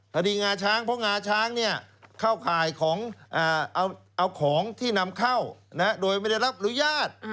คดีงาช้างเพราะงาช้างเข้าข่ายของเอาของที่นำเข้าโดยไม่ได้รับอนุญาต